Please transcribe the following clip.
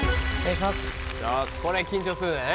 これ緊張するんだよね